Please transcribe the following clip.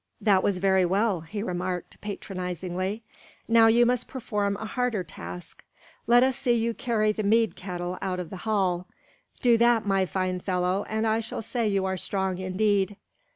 "That was very well," he remarked patronizingly; "now you must perform a harder task. Let us see you carry the mead kettle out of the hall. Do that, my fine fellow, and I shall say you are strong indeed."